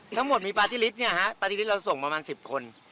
ทั้งหมดมีปาร์ติฤทธิ์เนี่ยฮะปาร์ติฤทธิ์เราส่งประมาณสิบคน